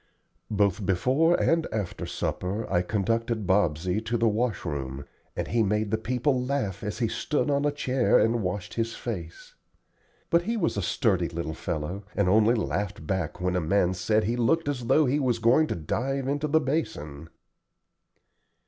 Both before and after supper I conducted Bobsey to the wash room, and he made the people laugh as he stood on a chair and washed his face. But he was a sturdy little fellow, and only laughed back when a man said he looked as though he was going to dive into the basin.